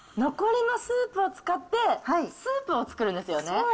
残りのスープを使って、スープを作るんですよね。